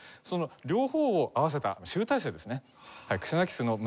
その両方を合わせた集大成ですね。